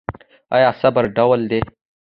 آیا صبر ډال دی؟